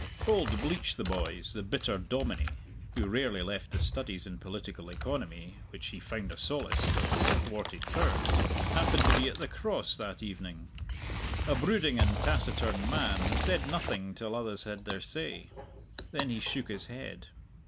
Old Bleach the boys, the bitter dominie (who rarely left the studies in political economy which he found a solace for his thwarted powers), happened to be at the Cross that evening. A brooding and taciturn man, he said nothing till others had their say. Then he shook his head.